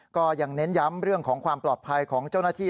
ก็ยังเน้นย้ำเรื่องของความปลอดภัยของเจ้าหน้าที่